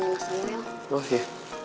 yang mas samuel